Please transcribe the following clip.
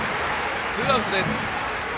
ツーアウトです。